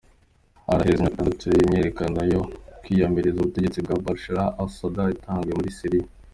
Haraheze imyaka itandatu imyiyerekano yo kwiyamiriza ubutegetsi bwa Bashar al-Assad itanguye muri Syria.